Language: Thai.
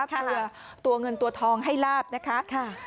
เพื่อตัวเงินตัวทองให้ลาบนะคะ